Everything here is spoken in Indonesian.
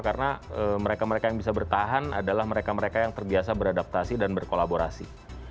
karena mereka mereka yang bisa bertahan adalah mereka mereka yang terbiasa beradaptasi dan berkolaborasi